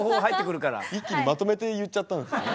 一気にまとめて言っちゃったんですね。